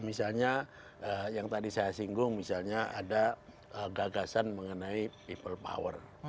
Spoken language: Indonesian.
misalnya yang tadi saya singgung misalnya ada gagasan mengenai people power